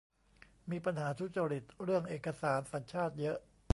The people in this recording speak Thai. มีปัญหาทุจริตเรื่องเอกสารสัญชาติเยอะ